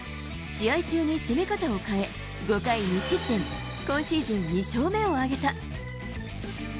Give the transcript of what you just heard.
試合中に攻め方を変え、５回２失点、今シーズン２勝目を挙げた。